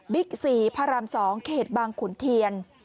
๔พระราม๒เขตบางขุนเทียน